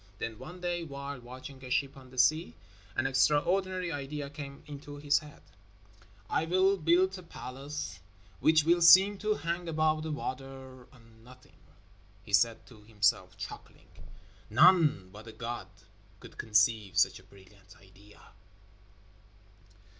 Then one day, while watching a ship on the sea, an extraordinary idea came into his head. "I will build a palace which will seem to hang above the water on nothing!" he said to himself, chuckling. "None but a god could conceive such a brilliant idea."